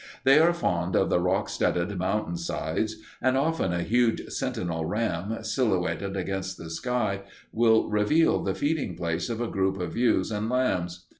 They are fond of the rock studded mountain sides, and often a huge sentinel ram, silhouetted against the sky, will reveal the feeding place of a group of ewes and lambs.